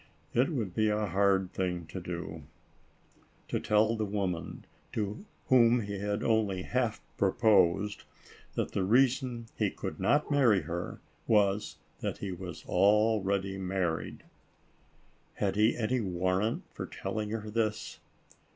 It would be a hard thing to do. To tell the woman, to whom he had only half proposed, that the reason he could not marry her was that he was already married. Had he any warrant for telling her this?